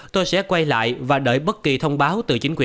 tôi sẽ quay lại và đợi bất kỳ thông báo